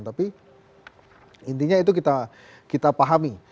tapi intinya itu kita pahami